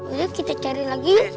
udah kita cari lagi